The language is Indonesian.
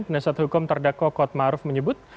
penasihat hukum tardako kodmaruf menyebut